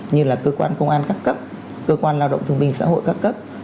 như là cơ quan công an các cấp cơ quan lao động thương minh xã hội các cấp